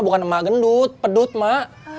bukan emak gendut pedut mak